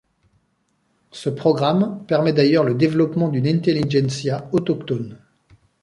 Ce programme permet d'ailleurs le développement d'une intelligentsia autochtone.